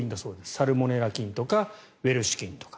サルモネラ菌とかウエルシュ菌とか。